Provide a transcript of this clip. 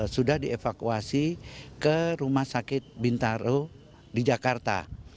sudah dievakuasi ke rumah sakit bintaro di jakarta